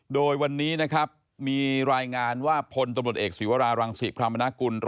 โดยวันนี้มีรายงานว่าพลตำรวจเอกสวิวาราลังศิขลับมณกุล